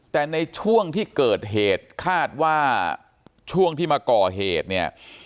แต่ในช่วงที่เกิดเหตุคาดว่าช่วงที่มาก่อเหตุเนี่ย